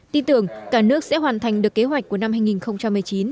tin tưởng cả nước sẽ hoàn thành được kế hoạch của năm hai nghìn một mươi chín